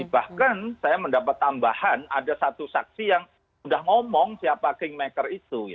bahkan saya mendapat tambahan ada satu saksi yang sudah ngomong siapa kingmaker itu